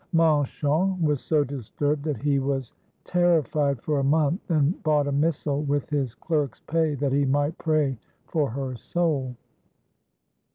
Manchon was so disturbed that he was ter rified for a month, and bought a missal with his clerk's pay that he might pray for her soul.